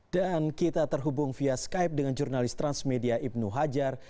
dan kita terhubung via skype dengan jurnalis transmedia ibnu hajar